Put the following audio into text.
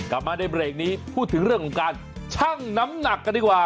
กลับมาในเบรกนี้พูดถึงเรื่องของการชั่งน้ำหนักกันดีกว่า